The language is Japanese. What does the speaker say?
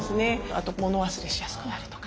あと物忘れしやすくなるとか。